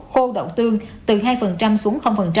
khô đậu tương từ hai xuống